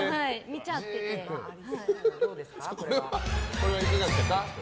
これはいかがですか？